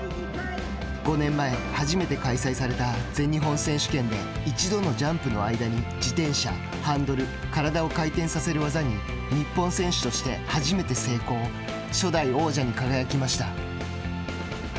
５年前、初めて開催された全日本選手権で一度のジャンプの間に自転車、ハンドル体を回転させる技に日本選手として初めて成功初代王者に輝きました。